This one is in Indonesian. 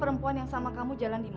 ini kan saudara kamu sendiri